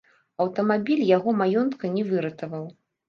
Аўтамабіль яго маёнтка не выратаваў.